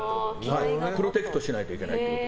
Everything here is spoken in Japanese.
プロテクトしないといけない。